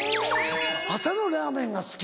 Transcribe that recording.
朝のラーメンが好き？